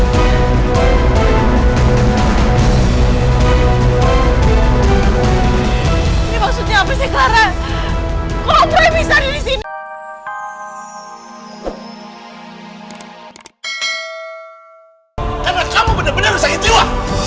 karena kamu benar benar sakit jiwa